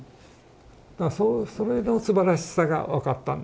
だからそれのすばらしさが分かったんですよね。